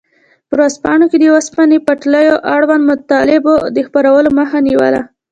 په ورځپاڼو کې د اوسپنې پټلیو اړوند مطالبو د خپرولو مخه نیوله.